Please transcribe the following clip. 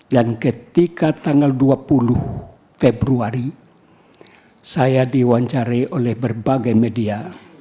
dan ketika tanggal dua puluh februari saya diwancari oleh berbagai media